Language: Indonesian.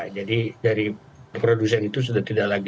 jadi dari produksi itu sudah tidak lagi